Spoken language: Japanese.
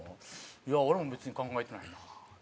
「いや俺も別に考えてないな」。